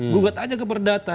gugat aja ke perdata